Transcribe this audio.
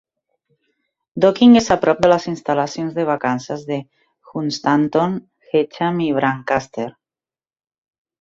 Docking és a prop de les instal·lacions de vacances de Hunstanton, Heacham i Brancaster.